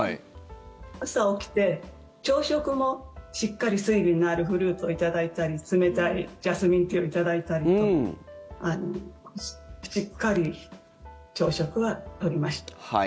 朝起きて朝食もしっかり、水分のあるフルーツをいただいたり冷たいジャスミンティーをいただいたりとしっかり朝食は取りました。